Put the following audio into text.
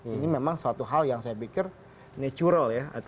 ini memang suatu hal yang saya pikir natural ya